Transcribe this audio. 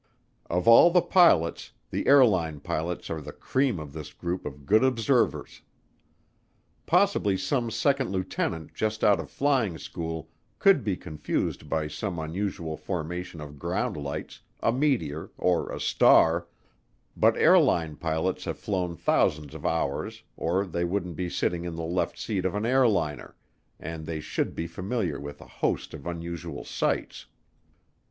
Of all the pilots, the airline pilots are the cream of this group of good observers. Possibly some second lieutenant just out of flying school could be confused by some unusual formation of ground lights, a meteor, or a star, but airline pilots have flown thousands of hours or they wouldn't be sitting in the left seat of an airliner, and they should be familiar with a host of unusual sights.